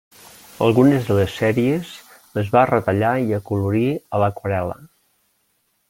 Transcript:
Algunes de les sèries les va retallar i acolorir a l'aquarel·la.